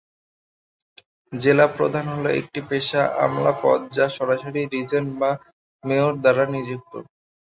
জেলা প্রধান হল একটি পেশা আমলা পদ যা সরাসরি রিজেন্ট বা মেয়র দ্বারা নিযুক্ত।